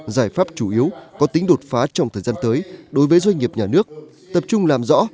giải pháp chủ yếu có tính đột phá trong thời gian tới đối với doanh nghiệp nhà nước tập trung làm rõ